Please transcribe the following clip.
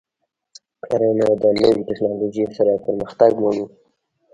کرنه د نوې تکنالوژۍ سره پرمختګ مومي.